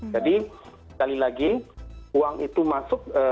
jadi sekali lagi uang itu masuk